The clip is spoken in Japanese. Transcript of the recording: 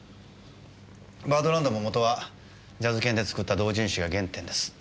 『バードランド』も元はジャズ研で作った同人誌が原点です。